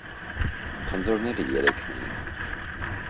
Խնձորները երեքն էին։